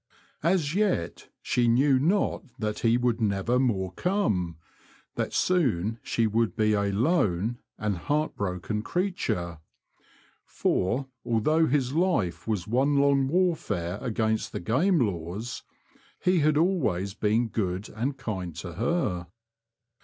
As yet she knew not that he would never more come — that soon she would be a lone and heart broken creature. For, although his life was one long warfare against the Game Laws, he had always been good and kind to her.